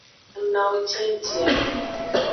Ng nawo cenji a.